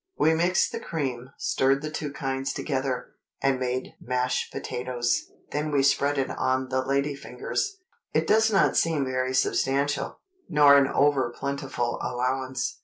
We mixed the cream, stirred the two kinds together, and made 'mashed potatoes'; then we spread it on the lady fingers." It does not seem very substantial, nor an over plentiful allowance.